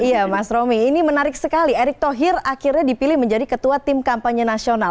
iya mas romi ini menarik sekali erick thohir akhirnya dipilih menjadi ketua tim kampanye nasional